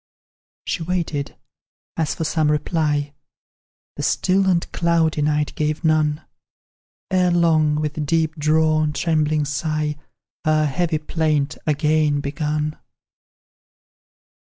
She waited as for some reply; The still and cloudy night gave none; Ere long, with deep drawn, trembling sigh, Her heavy plaint again begun.